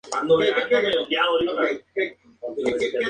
Ubicado en el Km.